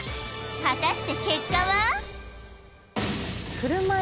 果たして結果は？